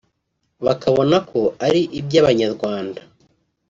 bakabona ko ari iby’Abanyarwanda